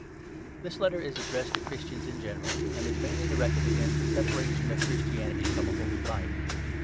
THIS Letter is addressed to Christians m general, and is mainly directed against the separation of Christianity from a holy life.